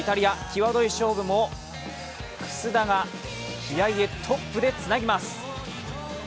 きわどい勝負も楠田が平井へトップでつなぎます。